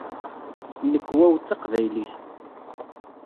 Nnekwa-w d taqbaylit.